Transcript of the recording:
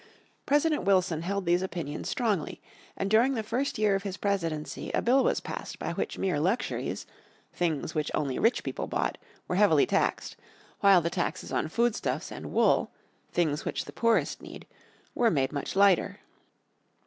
President Wilson held these opinions strongly, and during the first year of his presidency a bill was passed by which were luxuries, things which only rich people bought, were heavily taxed, while the taxes on foodstuffs and wool, things which the poorest need, were made much lighter.